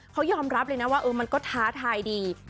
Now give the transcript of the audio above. เขายอมรับเลยนะว่ามันก็ท้าทายดี